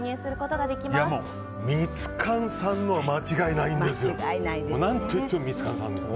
もう、ミツカンさんのは間違いないんですよ。